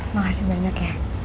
makasih banyak ya